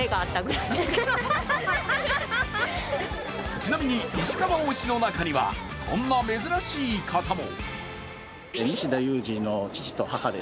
ちなみに、石川推しの中にはこんな珍しい方も。